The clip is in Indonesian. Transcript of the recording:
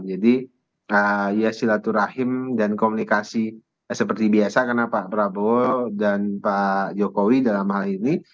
jadi ya silaturahim dan komunikasi seperti biasa karena pak prabowo dan pak jokowi dalam hal ini